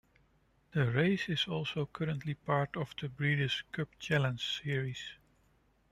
The race is also currently part of the Breeders' Cup Challenge series.